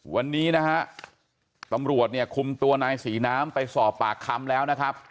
วันนี้นะฮะตำรวจเนี่ยคุมตัวนายศรีน้ำไปสอบปากคำแล้วนะครับ